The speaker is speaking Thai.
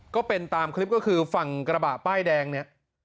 ก็เป็นตามคลิปก็คือฝั่งกระบะป้ายแดงเนี่ย